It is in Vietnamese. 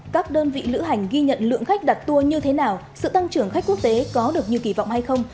các đơn vị lữ hành ghi nhận lượng khách đặt tour như thế nào sự tăng trưởng khách quốc tế có được như kỳ vọng hay không